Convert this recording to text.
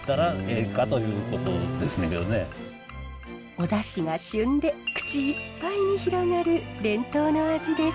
お出汁がしゅんで口いっぱいに広がる伝統の味です。